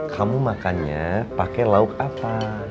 kamu makannya pakai lauk apa